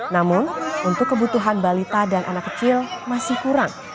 namun untuk kebutuhan balita dan anak kecil masih kurang